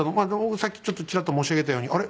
さっきちょっとチラッと申し上げたようにあれ？